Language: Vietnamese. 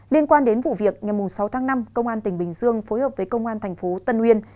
liên quan đến vụ việc ngày sáu tháng năm công an tỉnh bình dương phối hợp với công an thành phố tân uyên